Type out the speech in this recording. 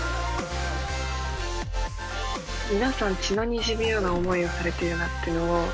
皆さん血のにじむような思いをされているなっていうのを。